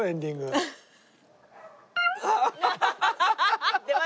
ハハハハ！